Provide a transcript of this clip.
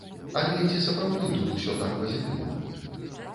Але ці сапраўды тут усё так пазітыўна?